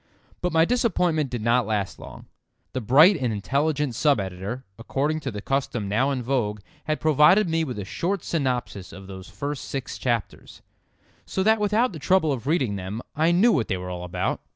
But my disappointment did not last long. The bright and intelligent sub editor, according to the custom now in vogue, had provided me with a short synopsis of those first six chapters, so that without the trouble of reading them I knew what they were all about.